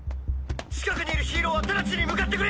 近くにいるヒーローは直ちに向かってくれ！